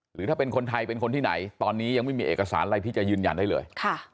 หรือถ้าเป็นคนไทยเป็นคนที่ไหนตอนนี้ยังไม่มีเอกสารอะไรที่จะยืนยันได้เลย